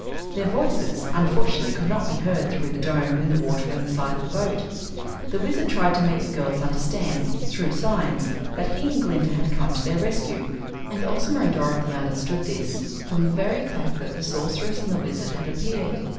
Their voices, unfortunately, could not be heard through the Dome and the water and the side of the boat. The Wizard tried to make the girls understand, through signs, that he and Glinda had come to their rescue, and Ozma and Dorothy understood this from the very fact that the Sorceress and the Wizard had appeared.